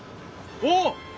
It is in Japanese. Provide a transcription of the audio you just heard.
おっ！